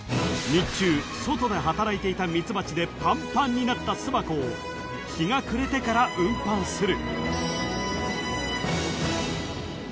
［日中外で働いていたミツバチでパンパンになった巣箱を日が暮れてから運搬する］